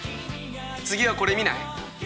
次はこれ見ない？